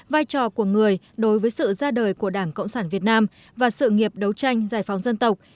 vai trò của người đối với sự ra đời của đảng cộng sản việt nam và sự nghiệp đấu tranh giải phóng dân tộc